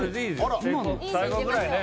成功最後ぐらいね